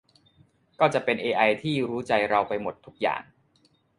ก็จะเป็นเอไอที่รู้ใจเราไปหมดทุกอย่าง